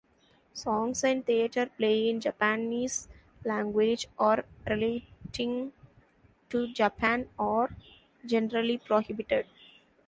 Songs and theater play in Japanese language or relating to Japan are generally prohibited.